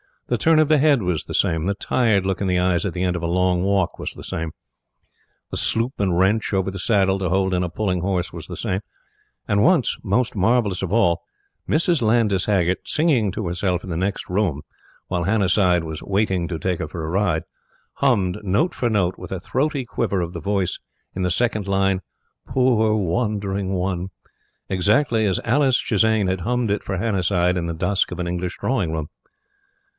The turn of the head was the same; the tired look in the eyes at the end of a long walk was the same; the sloop and wrench over the saddle to hold in a pulling horse was the same; and once, most marvellous of all, Mrs. Landys Haggert singing to herself in the next room, while Hannasyde was waiting to take her for a ride, hummed, note for note, with a throaty quiver of the voice in the second line: "Poor Wandering One!" exactly as Alice Chisane had hummed it for Hannasyde in the dusk of an English drawing room.